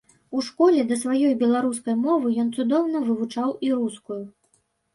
У школе да сваёй беларускай мовы ён цудоўна вывучыў і рускую.